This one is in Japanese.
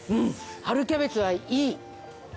春キャベツはいい。